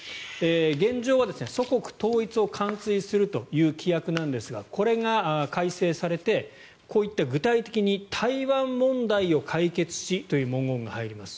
現状は祖国統一を完遂するという規約なんですがこれが改正されてこういった、具体的に台湾問題を解決しという文言が入ります。